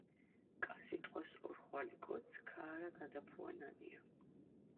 კა სიტყვას ორხვალი კოც ქაარაგადაფუანანია.„